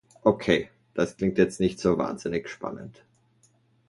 Okay, das klingt jetzt nicht so wahnsinnig spannend.